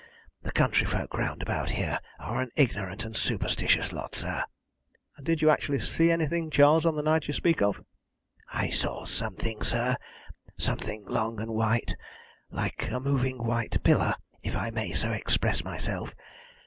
The country folk round about here are an ignorant and superstitious lot, sir." "And did you actually see anything, Charles, the night you speak of?" "I saw something, sir something long and white like a moving white pillar, if I may so express myself.